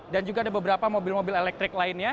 juga ada beberapa mobil mobil elektrik lainnya